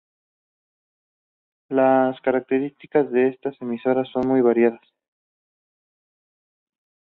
Las características de estas emisoras son muy variadas.